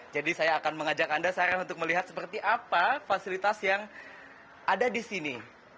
jadi saya akan mengajak anda sarah untuk melihat seperti apa fasilitas yang ada di sini